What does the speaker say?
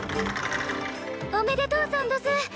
おめでとうさんどす！